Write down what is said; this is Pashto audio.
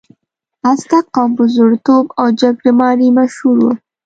ازتک قوم په زړورتوب او جګړې مارۍ مشهور و.